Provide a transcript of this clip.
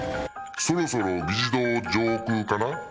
そろそろ議事堂上空かな？